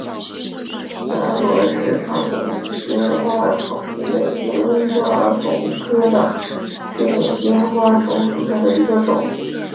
三轮氏长颈金花虫为金花虫科长颈金花虫属下的一个种。